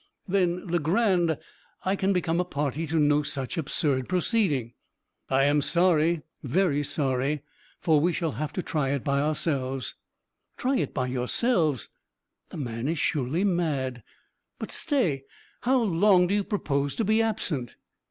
"Then, Legrand, I can become a party to no such absurd proceeding." "I am sorry very sorry for we shall have to try it by ourselves." "Try it by yourselves! The man is surely mad! but stay! how long do you propose to be absent?"